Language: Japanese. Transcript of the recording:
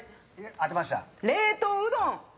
「冷凍うどん」！